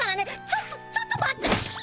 ちょっとちょっと待って。